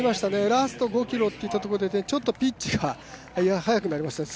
ラスト５ｋｍといったところで、ちょっとピッチが速くなりましたね。